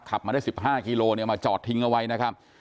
ขับมาได้๑๕กิโลเนี่ยมาจอดทิ้งเอาไว้นะครับ